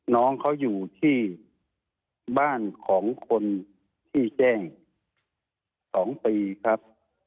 น้องเขาอยู่ที่บ้านของคนที่แจ้ง๒ปีครับ